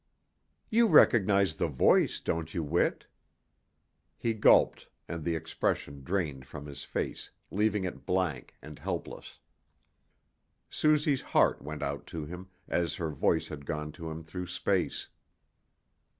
"You recognize the voice, don't you, Whit?" He gulped, and the expression drained from his face, leaving it blank, and helpless. Suzy's heart went out to him, as her voice had gone to him through space.